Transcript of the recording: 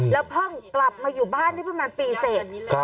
แล้วเพิ่งกลับมาอยู่บ้านได้ประมาณปีเสร็จ